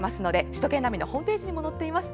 首都圏ナビのホームページにも載っています。